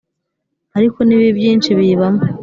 ariko n’ibibi byinshi biyibamo